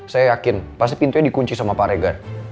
saya yakin pasti pintunya dikunci sama pak regar